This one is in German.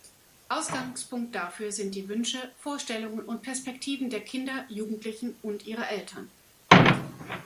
Ausgangspunkt dafür sind die Wünsche, Vorstellungen und Perspektiven der Kinder, Jugendlichen und ihrer Eltern.